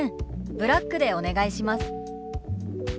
ブラックでお願いします」。